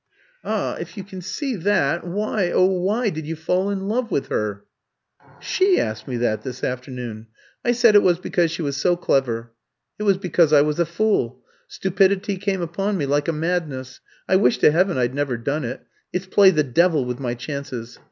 "Ah, if you can see that, why, oh why, did you fall in love with her?" "She asked me that this afternoon. I said it was because she was so clever. It was because I was a fool stupidity came upon me like a madness I wish to heaven I'd never done it. It's played the devil with my chances.